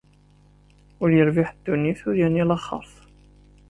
Ur yerbiḥ ddunit ur yerni laxert.